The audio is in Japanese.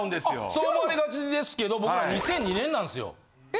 そう思われがちですけど僕ら２００２年なんですよ。え！？